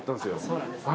そうなんですね。